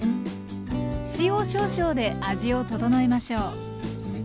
塩少々で味を調えましょう。